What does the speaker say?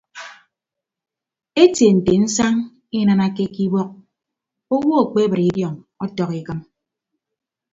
Etie nte nsañ inanake ke ibọk owo ekpebre idiọñ ọtọk ikịm.